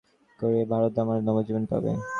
এই সত্যযুগের ধারণা অবলম্বন করেই ভারত আবার নবজীবন পাবে।